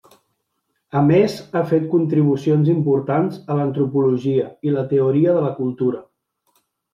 A més, ha fet contribucions importants a l'Antropologia i la Teoria de la Cultura.